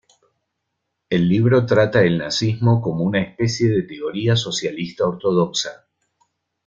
El libro trata el nazismo como una especie de teoría socialista ortodoxa.